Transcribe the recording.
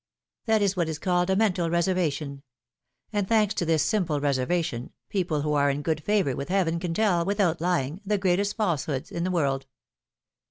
That is what is called a mental reservation; and thanks to this simple reservation, people who are in good favor with heaven can tell, without lying, the greatest falsehoods in the world.